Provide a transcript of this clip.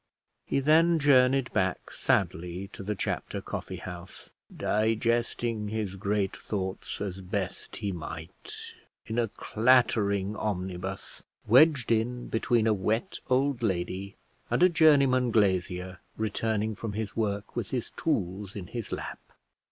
He then journeyed back sadly to the Chapter Coffee House, digesting his great thoughts, as best he might, in a clattering omnibus, wedged in between a wet old lady and a journeyman glazier returning from his work with his tools in his lap.